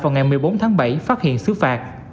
vào ngày một mươi bốn tháng bảy phát hiện xứ phạt